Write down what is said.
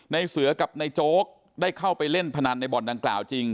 ในเสือกับนายโจ๊กได้เข้าไปเล่นพนันในบ่อนดังกล่าวจริง